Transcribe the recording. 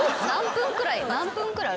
何分くらい？